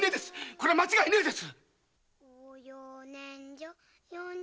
これは間違いねえです！